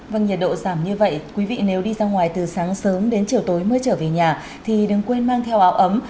vâng nhiệt độ giảm như vậy quý vị nếu đi ra ngoài từ sáng sớm đến chiều tối mới trở về nhà thì đừng quên mang theo áo ấm